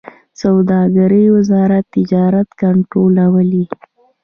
د سوداګرۍ وزارت تجارت کنټرولوي